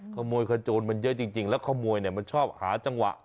ขโมยขโจรมันเยอะจริงแล้วขโมยเนี่ยมันชอบหาจังหวะ